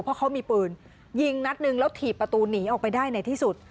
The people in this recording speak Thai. เพราะเขามีปืนยิงนัดหนึ่งแล้วถีบประตูหนีออกไปได้ในที่สุด